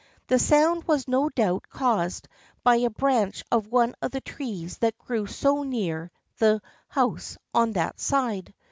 The sound was no doubt caused by a branch of one of the trees that grew so near the house on that side.